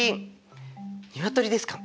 鶏鶏ですか。